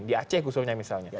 di aceh khususnya misalnya